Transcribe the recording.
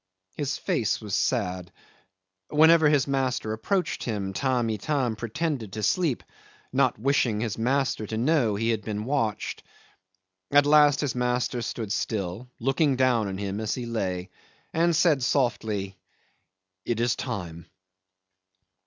His face was sad. Whenever his master approached him Tamb' Itam pretended to sleep, not wishing his master to know he had been watched. At last his master stood still, looking down on him as he lay, and said softly, "It is time."